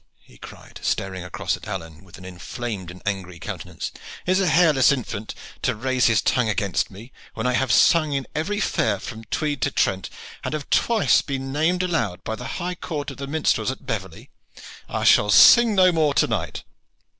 he cried, staring across at Alleyne with an inflamed and angry countenance. "Is a hairless infant to raise his tongue against me, when I have sung in every fair from Tweed to Trent, and have twice been named aloud by the High Court of the Minstrels at Beverley? I shall sing no more to night."